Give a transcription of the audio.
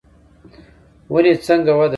ونې څنګه وده کوي؟